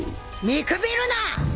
見くびるな！